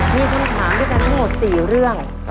มีคำถามด้วยกันทั้งหมด๔เรื่อง